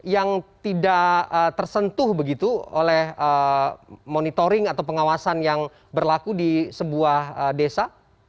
yang tidak tersentuh begitu oleh monitoring atau pengawasan yang berlaku di sebuah desa